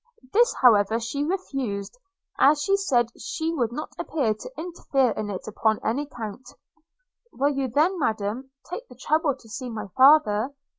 This, however, she refused, as she said she would not appear to interfere in it upon any account. – 'Will you then, Madam, take the trouble to see my father?